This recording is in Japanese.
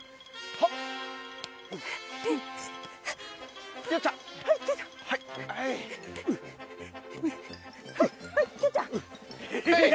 はい。